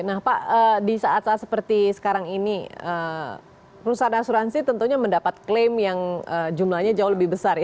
nah pak di saat saat seperti sekarang ini perusahaan asuransi tentunya mendapat klaim yang jumlahnya jauh lebih besar